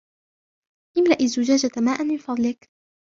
املأ الزجاجة ماءا من فضلك.